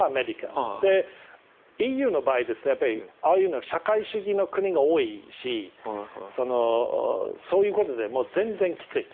ＥＵの場合はああいう社会主義の国が多いしそういうことで全然きついです。